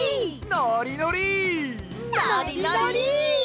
のりのり。